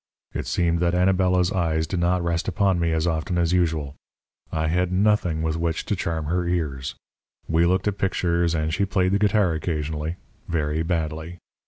It seemed that Anabela's eyes did not rest upon me as often as usual. I had nothing with which to charm her ears. We looked at pictures and she played the guitar occasionally, very badly.